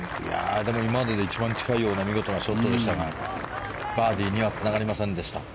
今までで一番近いような見事なショットでしたがバーディーにはつながりませんでした。